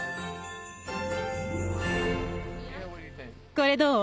これどう？